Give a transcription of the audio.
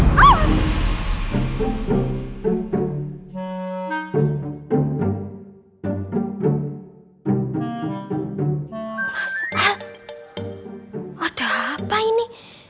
mas al ada apa ini